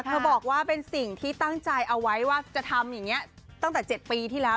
บอกว่าเป็นสิ่งที่ตั้งใจเอาไว้ว่าจะทำอย่างนี้ตั้งแต่๗ปีที่แล้ว